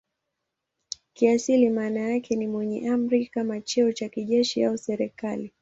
Kiasili maana yake ni "mwenye amri" kama cheo cha kijeshi au kiserikali.